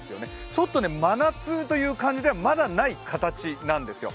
ちょっと真夏という感じではまだ、ない形なんですよ。